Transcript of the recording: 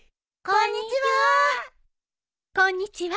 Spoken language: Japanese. こんにちは。